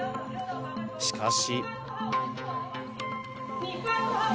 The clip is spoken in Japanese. しかし。